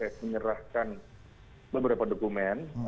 tpf menyerahkan beberapa dokumen